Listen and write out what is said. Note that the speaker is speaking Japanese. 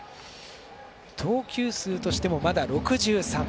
投球数としても、まだ６３。